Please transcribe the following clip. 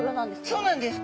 そうなんです。